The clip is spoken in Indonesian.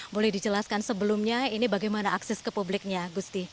boleh dijelaskan sebelumnya ini bagaimana akses ke publiknya gusti